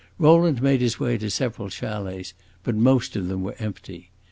Rowland made his way to several chalets, but most of them were empty.